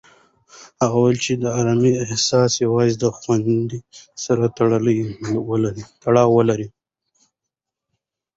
هغه وویل چې د ارامۍ احساس یوازې د خوند سره تړاو لري.